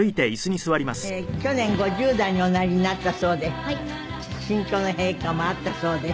去年５０代におなりになったそうで心境の変化もあったそうで。